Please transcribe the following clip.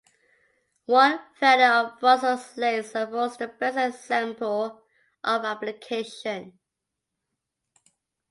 One variety of Brussels lace affords the best example of application.